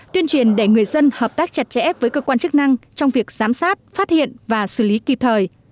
tuyên truyền để người dân hợp tác chặt chẽ với cơ quan chức năng trong việc giám sát phát hiện và xử lý kịp thời